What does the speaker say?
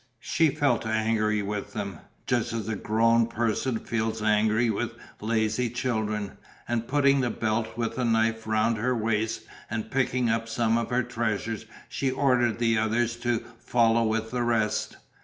She felt angry with them, just as a grown person feels angry with lazy children, and putting the belt with the knife round her waist and picking up some of her treasures she ordered the others to follow with the rest.